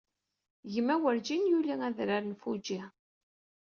Gma werjin yuliy adrar n Fuji.